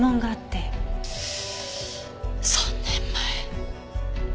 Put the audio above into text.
３年前。